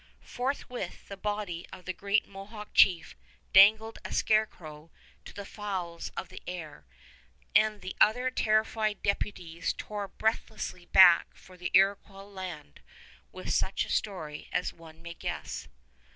Forthwith the body of the great Mohawk chief dangled a scarecrow to the fowls of the air; and the other terrified deputies tore breathlessly back for the Iroquois land with such a story as one may guess.